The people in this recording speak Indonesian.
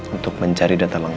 untuk mencari data lainnya